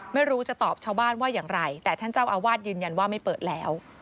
ไม่รู้จะตอบชาวบ้านว่าอย่างไรแต่ท่านเจ้าอาวาสยืนยันว่าไม่เปิดแล้ว